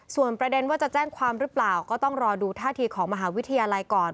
ส่วนประเด็นว่าจะแจ้งความหรือเปล่าก็ต้องรอดูท่าทีของมหาวิทยาลัยก่อน